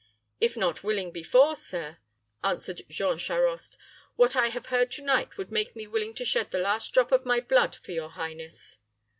"If not willing before, sir," answered Jean Charost, "what I have heard to night would make me willing to shed the last drop of my blood for your highness."